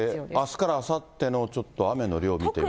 あすからあさってのちょっと雨の量見てください。